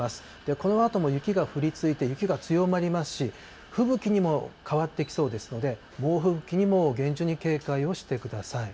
このあとも雪が降り続いて、雪が強まりますし、吹雪にも変わってきそうですので、猛吹雪にも厳重に警戒をしてください。